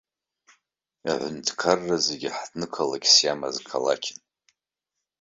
Аҳәынҭқарра зегьы аҳҭнықалақьс иамаз қалақьын.